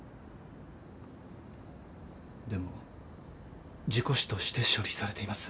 でも事故死として処理されています。